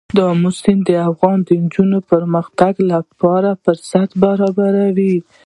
آمو سیند د افغان نجونو د پرمختګ لپاره فرصتونه برابروي.